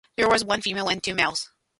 There was one female and two males.